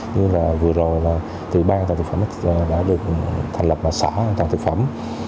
như là vừa rồi là tỷ ban tạo thực phẩm đã được thành lập bà xã tạo thực phẩm